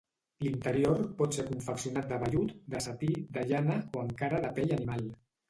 L'interior pot ser confeccionat de vellut, de setí, de llana o encara de pell animal.